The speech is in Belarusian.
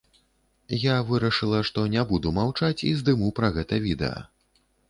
Я вырашыла што не буду маўчаць і здыму пра гэта відэа.